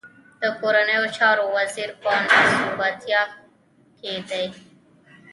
د کورنيو چارو وزير په ناسوبتيا کې دی.